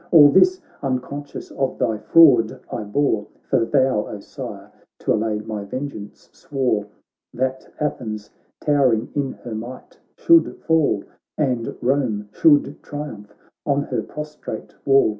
All this, unconscious of thy fraud, I bore ; For thou, O Sire, t' allay my vengeance, swore That Athens towering in her might should fall And Rome should triumph on her pros trate wall.